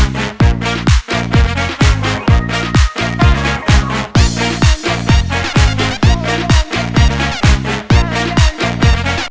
เพื่อให้ความคิดดีกว่าใหญ่